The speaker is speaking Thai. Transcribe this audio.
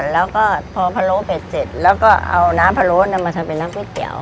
แล้วมาขาย๓โมงอะ